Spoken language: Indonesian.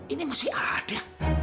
ini masih ada